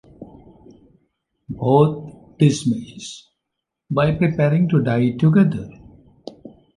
Both dismiss, by preparing to die together.